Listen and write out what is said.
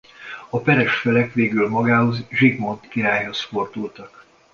A peres felek végül magához Zsigmond királyhoz fordultak.